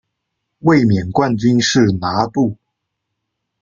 卫冕冠军是拿度。